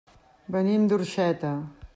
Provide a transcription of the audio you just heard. Venim d'Orxeta.